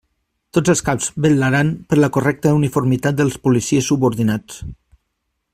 Tots els caps vetlaran per la correcta uniformitat dels policies subordinats.